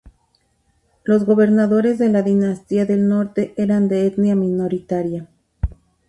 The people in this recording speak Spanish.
Los gobernadores de la Dinastía del Norte eran de etnia minoritaria.